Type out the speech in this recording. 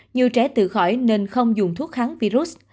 nhiều trẻ tự khỏi nên không dùng thuốc kháng virus